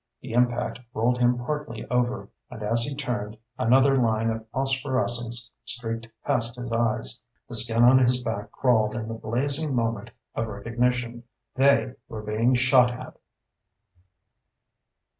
The impact rolled him partly over, and as he turned, another line of phosphorescence streaked past his eyes. The skin on his back crawled in the blazing moment of recognition. They were being shot at!